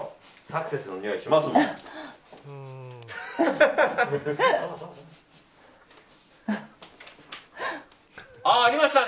サクセスのにおい、しますもん。